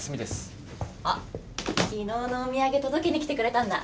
あっ昨日のお土産届けに来てくれたんだ。